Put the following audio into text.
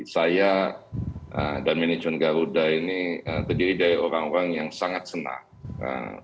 saya dan manajemen garuda ini terdiri dari orang orang yang sangat senang